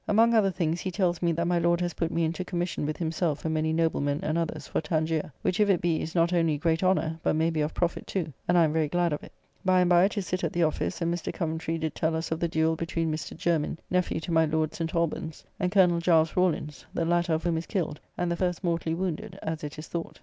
Among other things he tells me that my Lord has put me into Commission with himself and many noblemen and others for Tangier, which, if it be, is not only great honour, but may be of profit too, and I am very glad of it. By and by to sit at the office; and Mr. Coventry did tell us of the duell between Mr. Jermyn, nephew to my Lord St. Albans, and Colonel Giles Rawlins, the latter of whom is killed, and the first mortally wounded, as it is thought.